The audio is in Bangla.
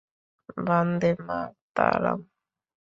বান্দে মা তারাম।